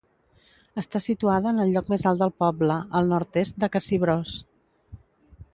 Està situada en el lloc més alt del poble, al nord-est de Cassibrós.